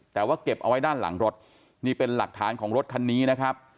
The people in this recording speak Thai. แต่ว่าเก็บเอาไว้ด้านหลังรถนี่เป็นหลักฐานของรถคันนี้นะครับ